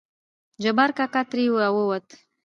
جبار کاکا ترې راووتو.